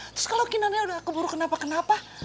terus kalo kinarnya udah keburu kenapa kenapa